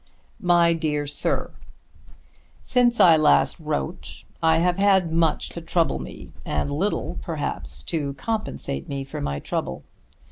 MY DEAR SIR, Since I last wrote I have had much to trouble me and little perhaps to compensate me for my trouble.